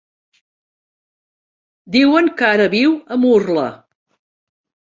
Diuen que ara viu a Murla.